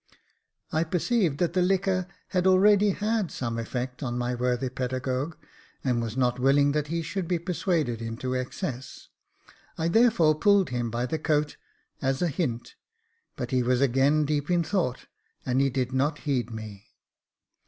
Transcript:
I perceived that the liquor had already had some effect upon my worthy pedagogue, and was not willing that he should be persuaded into excess. I therefore pulled him by the coat as a hint ; but he was again deep in thought, and he did not heed me.